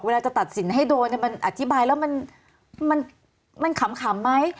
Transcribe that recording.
จะตัดสินให้โดนมันอธิบายแล้วมันขำไหม